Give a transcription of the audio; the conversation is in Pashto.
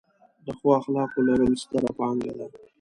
د ښو اخلاقو لرل، ستره پانګه ده.